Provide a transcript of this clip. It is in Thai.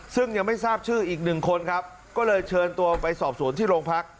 ซึ่งยังไม่ทราบชื่ออีกหนึ่งคนครับก็เลยเชิญตัวไปสอบสวนที่โรงพัก